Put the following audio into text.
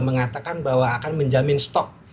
mengatakan bahwa akan menjamin stok